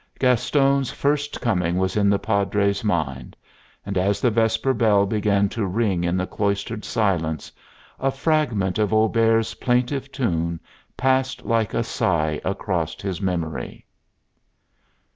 Gaston's first coming was in the Padre's mind; and, as the vespers bell began to ring in the cloistered silence, a fragment of Auber's plaintive tune passed like a sigh across his memory.